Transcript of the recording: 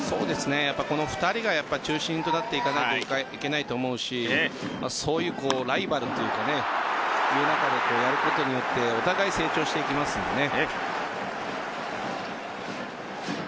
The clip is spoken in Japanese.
この２人が中心となっていかないといけないと思うしそういうライバルという中でやることによってお互い成長していきますよね。